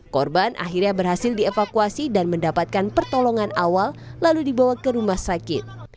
korban akhirnya berhasil dievakuasi dan mendapatkan pertolongan awal lalu dibawa ke rumah sakit